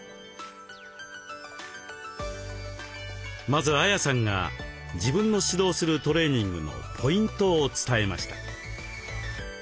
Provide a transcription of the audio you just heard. まずＡＹＡさんが自分の指導するトレーニングのポイントを伝えました。